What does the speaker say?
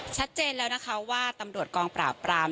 ชัดเจนแล้วนะคะว่าตำรวจกองปราบปราม